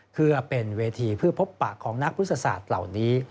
เพื่อเป็นเวทีเพื่อพบปะของนักพฤษศาสตร์เหล่านี้